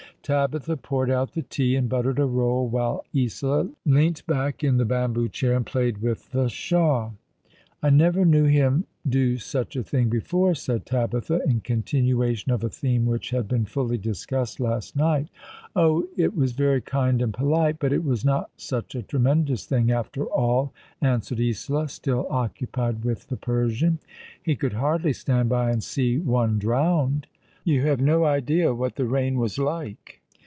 Tabitha poured out the tea, and buttered a roll, while Isola leant back in the bamboo chair and played with the Shah. " I never knew him do such a thing before," said Tabitha, in continuation of a theme which had been fully discussed last night. " Oh, it was very kind and polite ; but it was not such a tremendous thing, after all," answered Isola, still occupied with the Persian. " He could hardly stand by and see on9 drowned. You have no idea what the rain was like."